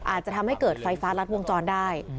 อาจจะทำให้เกิดไฟฟ้ารัดวงจรได้